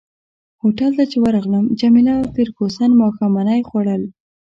هوټل ته چي ورغلم جميله او فرګوسن ماښامنۍ خوړل.